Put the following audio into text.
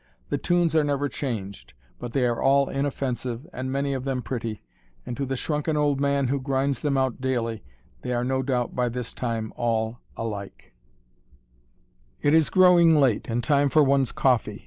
The tunes are never changed, but they are all inoffensive and many of them pretty, and to the shrunken old man who grinds them out daily they are no doubt by this time all alike. [Illustration: (cat on counter)] It is growing late and time for one's coffee.